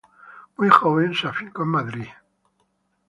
Muy joven se afincó en Madrid.